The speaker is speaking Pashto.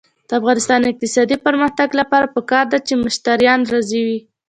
د افغانستان د اقتصادي پرمختګ لپاره پکار ده چې مشتریان راضي وي.